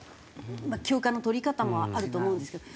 まあ休暇の取り方もあると思うんですけど。